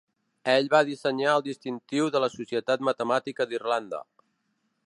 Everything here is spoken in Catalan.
Ell va dissenyar el distintiu de la societat matemàtica d'Irlanda.